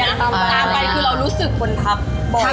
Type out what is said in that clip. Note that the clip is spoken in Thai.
ตามไปคือเรารู้สึกคนทักบ่อยมากเลย